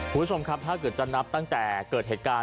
คุณผู้ชมครับถ้าเกิดจะนับตั้งแต่เกิดเหตุการณ์